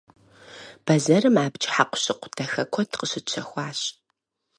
Бэзэрым абдж хьэкъущыкъу дахэ куэд къыщытщэхуащ.